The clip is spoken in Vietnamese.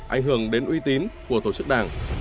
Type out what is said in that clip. anh hưởng đến uy tín của tổ chức đảng